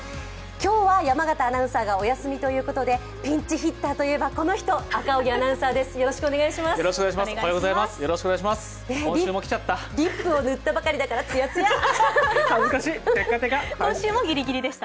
今日は、山形アナウンサーがお休みということでピンチヒッターといえばこの人、赤荻アナウンサーです。